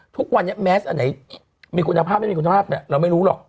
ทุกวันนี้แมสอันไหนมีคุณภาพไม่มีคุณภาพเราไม่รู้หรอก